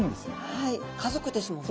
はい家族ですもんね。